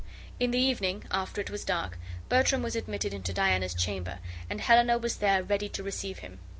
In the evening, after it was dark, Bertram was admitted into Diana's chamber, and Helena was there ready to receive him.